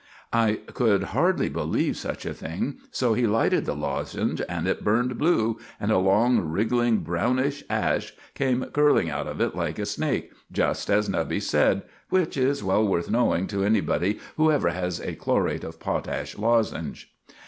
I could hardly believe such a thing, so he lighted the lozenge and it burned blue, and a long, wriggling, brownish ash came curling out of it like a snake, just as Nubby said, which is well worth knowing to anybody who ever has a chlorate of potash lozenge.